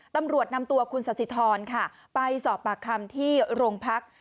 ตำรวจนำตัวคุณสสิทรค่ะไปสอบปากคำที่โรงพัก